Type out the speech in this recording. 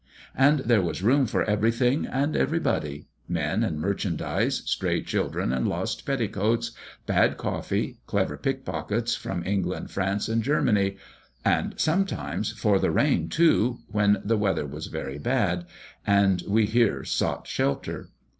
And there was room for everything and everybody men and merchandize, stray children and lost petticoats, bad coffee, clever pickpockets from England, France, and Germany and, sometimes, for the rain, too, when the weather was very bad, and we here sought shelter.